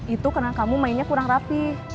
itu karena kamu mainnya kurang rapi